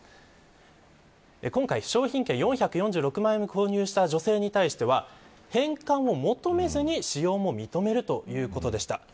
今回、商品券４４６万円購入した女性に対しては返還を求めずに使用も認めるということでした。